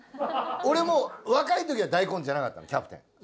俺も若いときは大根じゃなかったのキャプテン。